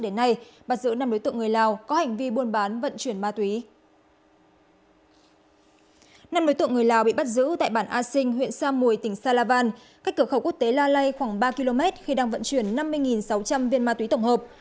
năm đối tượng người lào bị bắt giữ tại bản a sinh huyện sa mùi tỉnh sa la van cách cửa khẩu quốc tế la lây khoảng ba km khi đang vận chuyển năm mươi sáu trăm linh viên ma túy tổng hợp